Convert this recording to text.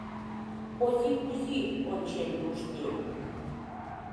Ози Кузи ончен куштен.